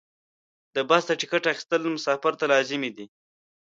د بس د ټکټ اخیستل مسافر ته لازمي دي.